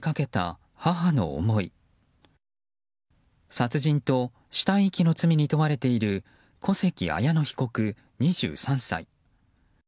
殺人と死体遺棄の罪に問われている小関彩乃被告、２３歳。